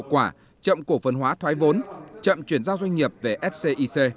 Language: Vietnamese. hậu quả chậm cổ phân hóa thoái vốn chậm chuyển giao doanh nghiệp về scic